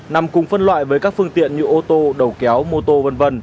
nằm cùng phân loại với các phương tiện như ô tô đầu kéo mô tô v v